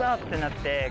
って